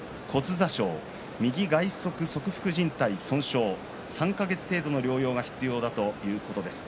挫傷右外側側副じん帯損傷３か月程度の療養が必要だということです。